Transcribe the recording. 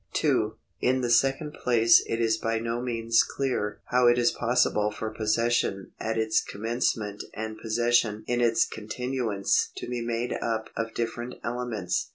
2. In the second place it is by no means clear how it is possible for possession at its commencement and possession in its continuance to be made up of different elements.